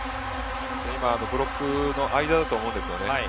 今、ブロックの間だと思うんですよね。